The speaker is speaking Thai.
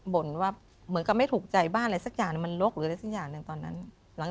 บ่นว่าเหมือนกับไม่ถูกใจบ้านอะไรสักอย่างมันลกหรืออะไรสักอย่างหนึ่งตอนนั้นหลัง